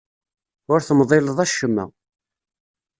Ur temḍileḍ acemma.